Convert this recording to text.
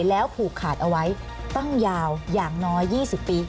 แล้วผูกขาดเอาไว้ตั้งยาวอย่างน้อย๒๐ปี